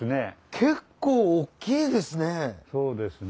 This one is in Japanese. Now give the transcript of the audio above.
結構大きいですね。